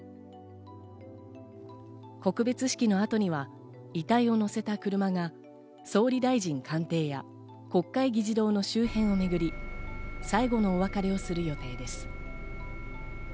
告別式の後には、遺体を乗せた車が総理大臣官邸や国会議事堂の周辺をめぐり、最後のお別れをする予定です。